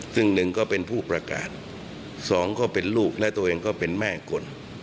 ซึ่งหนึ่งก็เป็นผู้ประกาศสองก็เป็นลูกและตัวเองก็เป็นแม่คน